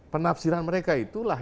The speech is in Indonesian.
penafsiran mereka itulah